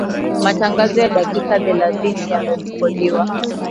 Matangazo ya dakika thelathini yamerekodiwa